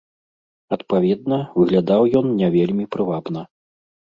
Адпаведна, выглядаў ён не вельмі прывабна.